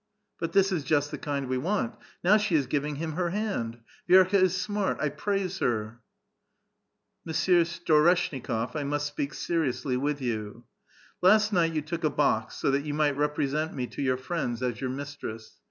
But this is inst the kind we want. Now she is giving him her hand ; Vi^rka is smart ; I praise her !"" Monsieur Storeshnikof, I must speak seriously with 30U. Last night you took a box so that you might represent me to your friends as your mistress.